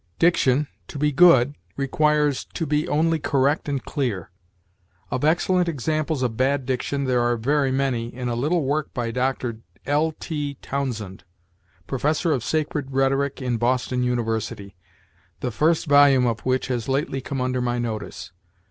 Diction, to be good, requires to be only correct and clear. Of excellent examples of bad diction there are very many in a little work by Dr. L. T. Townsend, Professor of Sacred Rhetoric in Boston University, the first volume of which has lately come under my notice.